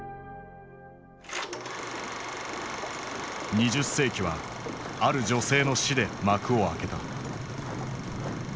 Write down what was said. ２０世紀はある女性の死で幕を開けた。